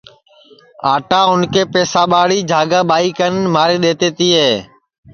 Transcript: آٹا اُن کے پساباڑی جھاگا ٻائی کن ماری دؔیتے تیے